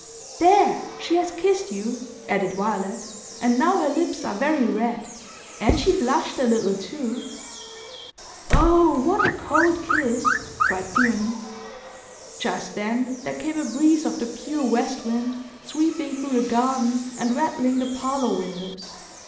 "There! she has kissed you," added Violet, "and now her lips are very red. And she blushed a little, too!" "Oh, what a cold kiss!" cried Peony. Just then, there came a breeze of the pure west wind, sweeping through the garden and rattling the parlor windows.